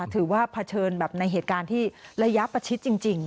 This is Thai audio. เผชิญแบบในเหตุการณ์ที่ระยะประชิดจริง